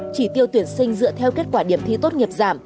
chỉ tiêu tuyển sinh dựa theo kết quả điểm thi tốt nghiệp giảm